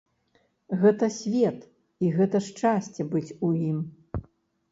Гэта свет і гэта шчасце быць у ім.